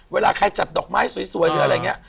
เวลาใครจัดดอกไม้สวยหรืออะไรอย่างนี้